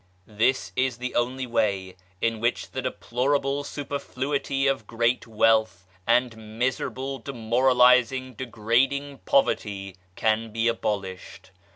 This is the only way in which the deplorable superfluity of great wealth and miserable, demoralising, degrading poverty can be abolished.